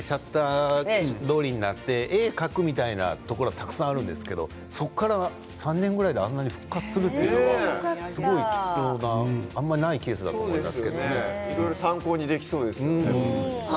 シャッター通りになって絵を描くみたいなところはたくさんあるんですけどそこから３年ぐらいであんなに復活するというのはすごく貴重なあまりないケースだと思います。